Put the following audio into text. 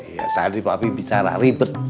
iya tadi papi bicara ribet